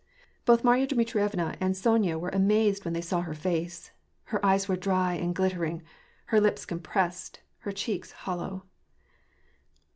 Both Marya Dmitrievna and Sonya were amazed when they saw her face. Her eyes were dry and glittering ; her lips compressed, her cheeks hollow.